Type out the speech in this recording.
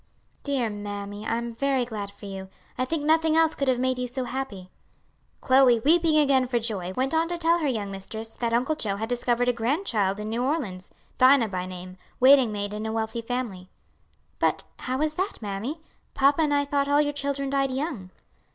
'" "Dear mammy, I am very glad for you; I think nothing else could have made you so happy." Chloe, weeping again for joy, went on to tell her young mistress that Uncle Joe had discovered a grandchild in New Orleans, Dinah by name, waiting maid in a wealthy family. "But how is that, mammy? Papa and I thought all your children died young."